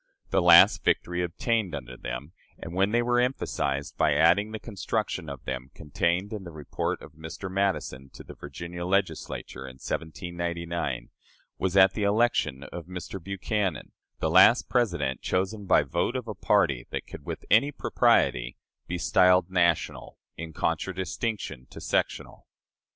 The last victory obtained under them, and when they were emphasized by adding the construction of them contained in the report of Mr. Madison to the Virginia Legislature in 1799, was at the election of Mr. Buchanan the last President chosen by vote of a party that could with any propriety be styled "national," in contradistinction to sectional.